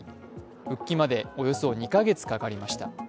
復帰までおよそ２か月かかりました。